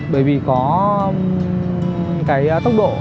bởi vì có cái tốc độ